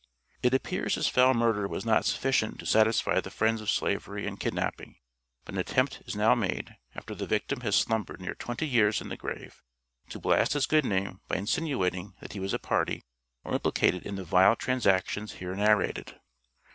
It appears his foul murder was not sufficient to satisfy the friends of slavery and kidnapping, but an attempt is now made, after the victim has slumbered near twenty years in the grave, to blast his good name by insinuating that he was a party, or implicated in the vile transactions here narrated.